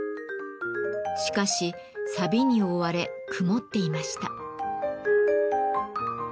しかしさびに覆われ曇っていました。